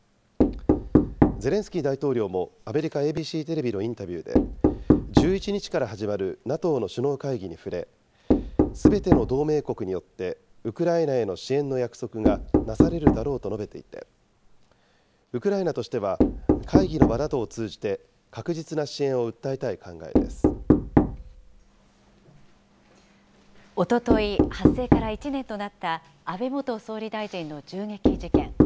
ゼレンスキー大統領もアメリカＡＢＣテレビのインタビューで、１１日から始まるＮＡＴＯの首脳会議に触れ、すべての同盟国によってウクライナへの支援の約束がなされるだろうと述べていて、ウクライナとしては会議の場などを通じて、確実な支援を訴えたい考えおととい、発生から１年となった安倍元総理大臣の銃撃事件。